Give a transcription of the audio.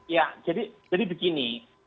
ya jadi begini